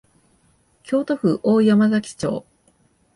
京都府大山崎町